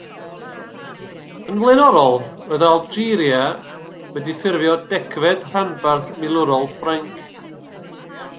Yn flaenorol roedd Algeria wedi ffurfio degfed rhanbarth milwrol Ffrainc.